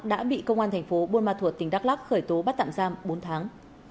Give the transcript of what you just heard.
đã bị công an thành phố buôn ma thuột tỉnh đắk lắc khởi tố bắt tạm giam bốn tháng